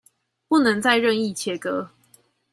不能再任意切割